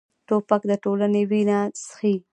توپک د ټولنې وینه څښي.